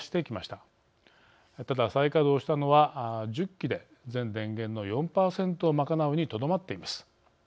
ただ、再稼働したのは１０基で全電源の４％を賄うにとどまっています。